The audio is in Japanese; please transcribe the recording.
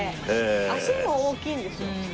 足も大きいんですよ。